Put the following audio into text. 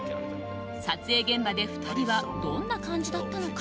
撮影現場で２人はどんな感じだったのか。